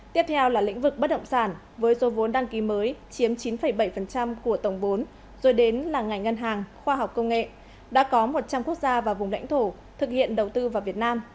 tiếp theo là lĩnh vực bất động sản với số vốn đăng ký mới chiếm chín bảy của tổng vốn rồi đến là ngành ngân hàng khoa học công nghệ đã có một trăm linh quốc gia và vùng lãnh thổ thực hiện đầu tư vào việt nam